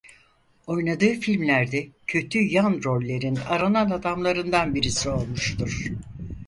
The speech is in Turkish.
Oynadığı filmlerde kötü yan rollerin aranan adamlarından birisi olmuştur.